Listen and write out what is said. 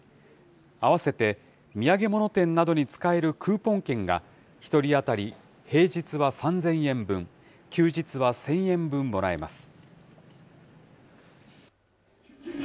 併せて、土産物店などに使えるクーポン券が、１人当たり平日は３０００円分、休日は１０００円分もらえます。